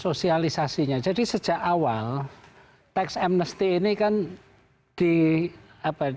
sosialisasinya jadi sejak awal teks amnesti ini kan dikonsumsi